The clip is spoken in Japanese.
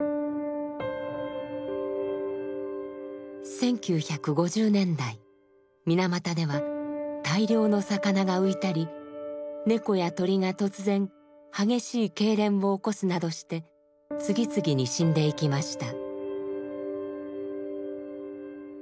１９５０年代水俣では大量の魚が浮いたり猫や鳥が突然激しいけいれんを起こすなどして次々に死んでいきました。